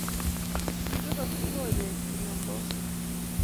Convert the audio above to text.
Kirorokchi konyekchu nambosyek.